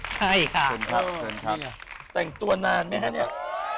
แต่งตัวนานไหมครับ